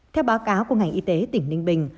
theo báo cáo của ngành y tế tỉnh ninh bình